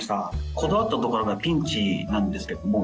こだわったところはピンチなんですけども。